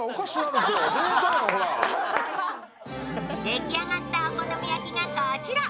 出来上がったお好み焼きがこちら。